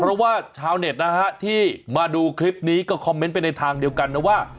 เพราะว่าชาวเน็ตนะฮะที่มาดูคลิปนี้ก็คอมเมนต์ไปในทางเดียวกันนะว่า